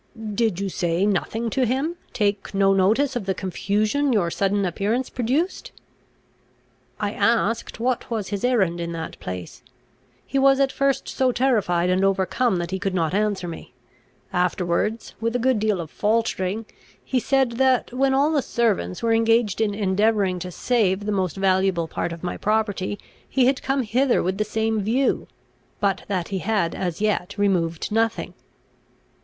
"Did you say nothing to him take no notice of the confusion your sudden appearance produced?" "I asked what was his errand in that place. He was at first so terrified and overcome, that he could not answer me. Afterwards, with a good deal of faltering, he said that, when all the servants were engaged in endeavouring to save the most valuable part of my property, he had come hither with the same view; but that he had as yet removed nothing."